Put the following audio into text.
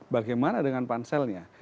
bagaimana dengan panselnya